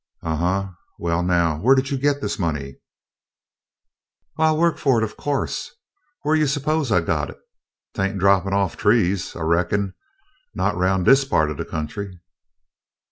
"Uh huh! well, now, where did you get this money?" "Why, I wo'ked fu' it, o' co'se, whaih you s'pose I got it? 'T ain't drappin' off trees, I reckon, not roun' dis pa't of de country."